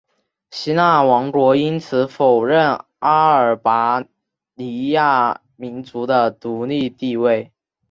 希腊王国因此否认阿尔巴尼亚民族的独立地位。